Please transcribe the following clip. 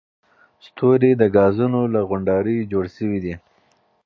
ستوري د ګازونو له غونډاریو جوړ شوي دي.